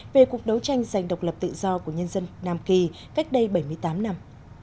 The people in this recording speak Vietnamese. về cuộc đấu tranh giành độc lập tự do của nhân dân nam kỳ cách đây bảy mươi tám năm